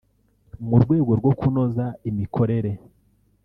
mu rwego rwo kunoza imikorere